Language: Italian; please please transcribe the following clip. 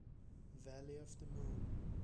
Valley of the Moon